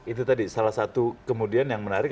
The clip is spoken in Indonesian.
itu tadi salah satu kemudian yang menarik